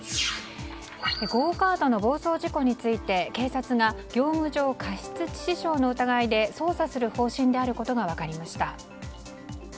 ゴーカートの暴走事故について警察が業務上過失致死傷の疑いで捜査する方針であることが分かりました。